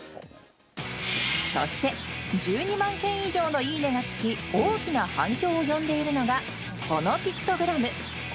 そして１２万件以上のいいねがつき大きな反響を呼んでいるのがこのピクトグラム。